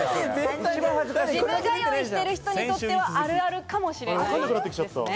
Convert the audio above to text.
ジム通いしてる人にとってはあるあるかもしれないですね。